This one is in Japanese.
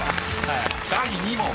［第２問］